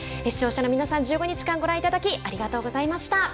視聴者の皆さん１５日間、ご覧いただきありがとうございました。